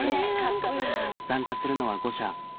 参加するのは５社。